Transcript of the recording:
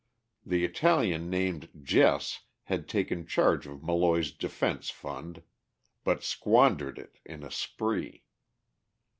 The Italian named Jess had taken charge of Molloy's defense fund, but squandered it in a spree.